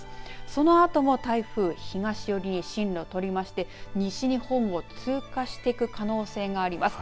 そのあとも台風、東寄りに進路を取りまして西日本を通過していく可能性があります。